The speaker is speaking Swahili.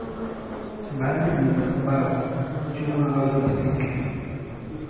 Baadhi ni za mbao, chuma au plastiki.